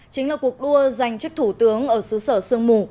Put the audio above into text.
chính là cuộc đua dành trước thủ tướng ở xứ sở sương mù